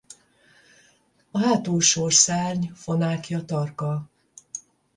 A hátulsó szárny fonákja tarka.